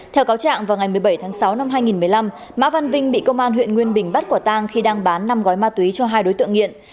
theo cáo trạng vào ngày một mươi bảy tháng sáu năm hai nghìn một mươi năm mã văn vinh bị công an huyện nguyên bình bắt quả tang khi đang bán năm gói ma túy cho hai đối tượng nghiện